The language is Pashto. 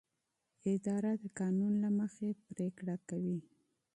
اداره د قانون له مخې پریکړه کوي.